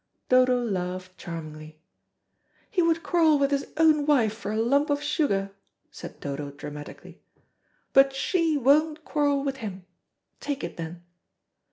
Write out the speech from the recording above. Dodo laughed charmingly. "He would quarrel with his own wife for a lump of sugar," said Dodo dramatically; "but she won't quarrel with him. Take it then."